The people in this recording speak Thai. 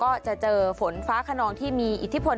ก็จะเจอฝนฟ้าขนองที่มีอิทธิพล